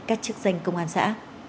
các chức danh công an xã